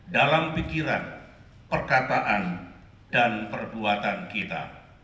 dalam pikiran perkataan dan perbuatan kita